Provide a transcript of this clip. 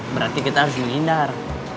berarti kita harus menghindar